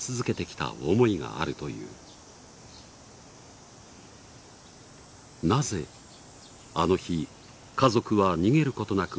なぜあの日家族は逃げることなく家の中で亡くなったのか。